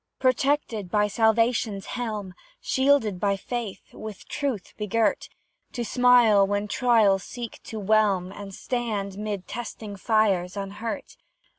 Protected by salvation's helm, Shielded by faith, with truth begirt, To smile when trials seek to whelm And stand mid testing fires unhurt!